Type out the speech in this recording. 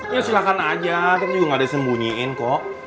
ya silahkan aja kita juga nggak di sembunyiin kok